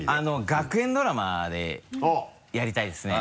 学園ドラマでやりたいですね。